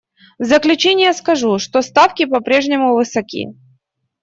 В заключение скажу, что ставки по-прежнему высоки.